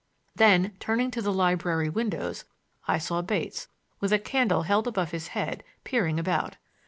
Then, turning to the library windows, I saw Bates, with a candle held above his head, peering about.